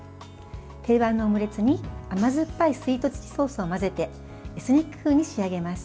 定番のオムレツに、甘酸っぱいスイートチリソースを混ぜてエスニック風に仕上げます。